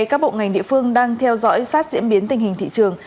các bộ ngành địa phương đang theo dõi sát diễn biến tình hình thị trường